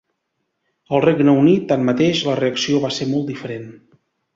Al Regne Unit, tanmateix, la reacció va ser molt diferent.